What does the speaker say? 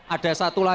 ada satu lagi